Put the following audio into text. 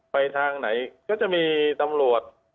ไปทางไหนก็จะมีตำรวจ